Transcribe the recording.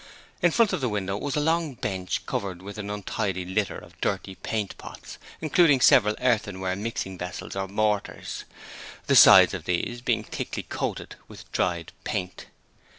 In front of the window was a long bench covered with an untidy litter of dirty paint pots, including several earthenware mixing vessels or mortars, the sides of these being thickly coated with dried paint.